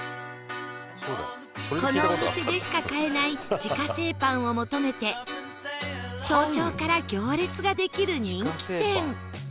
このお店でしか買えない自家製パンを求めて早朝から行列ができる人気店